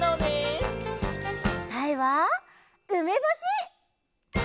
こたえはうめぼし！